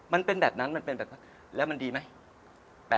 มันเป็นแบบนั้นแล้วมันดีไหม